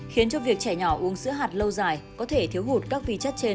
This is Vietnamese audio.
khiến cho việc trẻ nhỏ uống sữa hạt lâu dài có thể thiếu hụt các vi chất trên